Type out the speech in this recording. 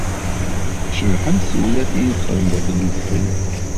Cebḥent tewlafin i xedmeɣ deg udfel.